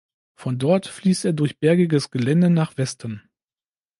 Von dort fließt er durch bergiges Gelände nach Westen.